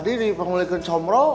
tadi di panggung lelaki comro